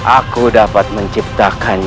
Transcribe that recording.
aku dapat menciptakan